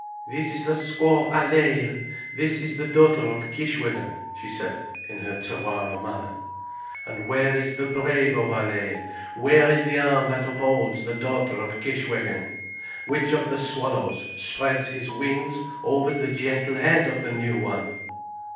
"This is the squaw Allaye, this is the daughter of Kishwégin," she said, in her Tawara manner. "And where is the brave of Allaye, where is the arm that upholds the daughter of Kishwégin, which of the Swallows spreads his wings over the gentle head of the new one!"